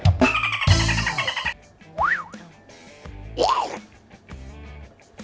อืม